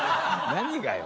何がよ！